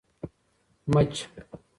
مچ 🐝